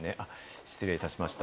失礼いたしました。